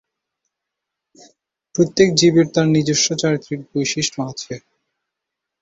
প্রত্যেক জীবের তার নিজস্ব চারিত্রিক বৈশিষ্ট্য আছে।